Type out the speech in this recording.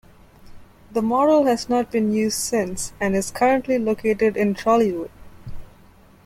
The model has not been used since, and is currently located in Trollywood.